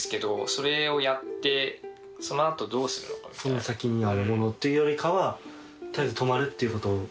その先にあるものというよりかは取りあえず泊まるっていうことを？